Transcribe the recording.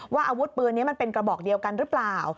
อาวุธปืนนี้มันเป็นกระบอกเดียวกันหรือเปล่า